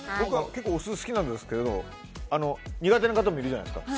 結構お酢好きなんですけど苦手な方もいるじゃないですか。